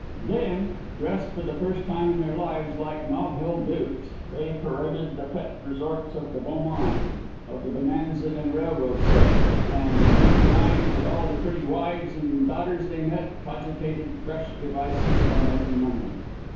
Then, dressed for the first time in their lives like Nob Hill dukes, they paraded the pet resorts of the beau monde of the bonanza and railroad set and making eyes at all the pretty wives and daughters they met, cogitated fresh devices for making money.